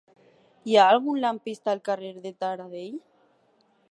Hi ha algun lampista al carrer de Taradell?